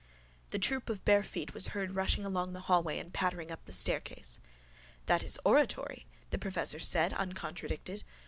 The troop of bare feet was heard rushing along the hallway and pattering up the staircase. —That is oratory, the professor said uncontradicted.